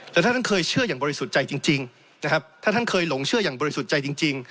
แต่ท่านเคยเชื่ออย่างบริสุทธิ์ใจจริงนะครับถ้าท่านเคยหลงเชื่ออย่างบริสุทธิ์ใจจริง